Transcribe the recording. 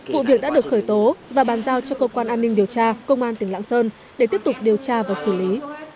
vụ việc đã được khởi tố và bàn giao cho cơ quan an ninh điều tra công an tỉnh lạng sơn để tiếp tục điều tra và xử lý